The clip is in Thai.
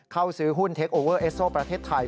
เข้าซื้อหุ้นเทคโอเวอร์เอสโซประเทศไทย